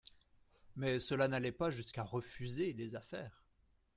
Mais cela n'allait pas jusqu'à refuser les affaires.